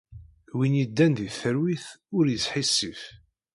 Win yeddan di talwit ur yesḥissif.